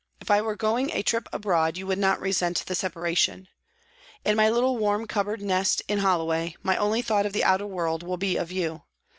If I were going a trip abroad you would not resent the separation. In my little warm cupboard nest in Holloway my only thought of the outer world will be of you.